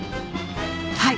はい！